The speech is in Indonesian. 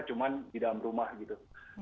cuma di dalam rumah gitu